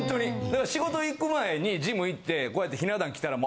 だから仕事行く前にジム行ってこうやってひな壇来たら。